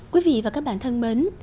quý vị và các bạn thân mến